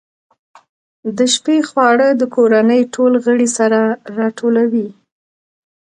د شپې خواړه د کورنۍ ټول غړي سره راټولوي.